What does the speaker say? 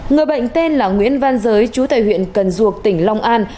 người bệnh tên là nguyễn văn giới chú tại huyện cần duộc tỉnh long an